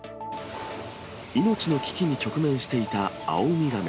命の危機に直面していたアオウミガメ。